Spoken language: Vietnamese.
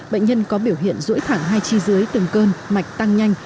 bệnh nhân có biểu hiện rũi thẳng hai chi dưới từng cơn mạch tăng nhanh